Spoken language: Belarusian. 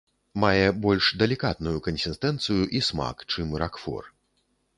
Мае больш далікатную кансістэнцыю і смак, чым ракфор.